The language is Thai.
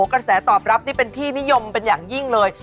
กระแสตอบรับนี่เป็นที่นิยมเป็นอย่างยิ่งเลย